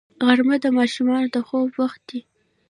غرمه د ماشومانو د خوب وخت دی